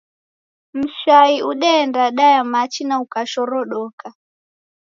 Mshai udeenda daya machi na ukashorodoka.